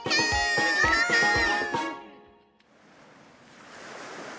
すごい！